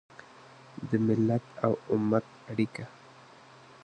د ملت او امت اړیکه